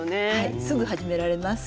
すぐ始められます。